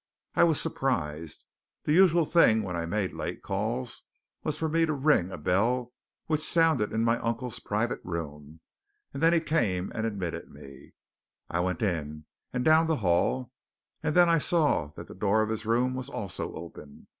I was surprised. The usual thing when I made late calls was for me to ring a bell which sounded in my uncle's private room, and he then came and admitted me. I went in, and down the hall, and I then saw that the door of his room was also open.